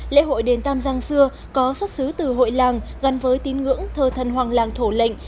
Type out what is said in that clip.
lễ hội đền tam giang xưa có xuất xứ từ hội làng gắn với tín ngưỡng thờ thần hoàng làng thổ lệnh